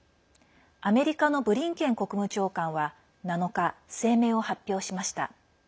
アメリカのブリンケン国務長官は７日、声明を発表しました。